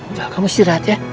udah kamu istirahat ya